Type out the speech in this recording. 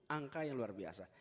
angka yang luar biasa